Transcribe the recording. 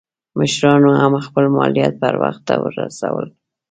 مشرانو هم خپل مالیات پر وخت نه رسول.